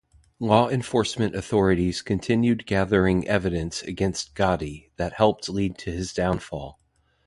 Law enforcement authorities continued gathering evidence against Gotti that helped lead to his downfall.